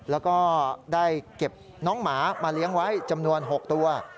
แล้วก็ได้เก็บน้องหมามาเลี้ยงไว้จำนวน๖ตัว